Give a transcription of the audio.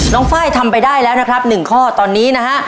น้องไฟล์ทำไปได้แล้วนะครับนิยข้อตอนนี้